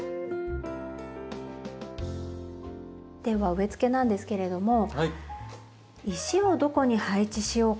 では植え付けなんですけれども石をどこに配置しようかな。